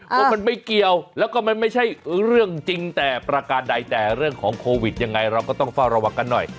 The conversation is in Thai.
ว่ามันไม่เกี่ยวแล้วก็มันไม่ใช่เรื่องจริงแต่ประการใดแต่เรื่องของโควิดยังไงเราก็ต้องเฝ้าระวังกันหน่อย